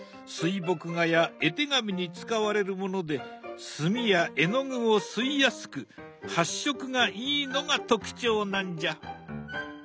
水墨画や絵手紙に使われるもので墨や絵の具を吸いやすく発色がいいのが特徴なんじゃ。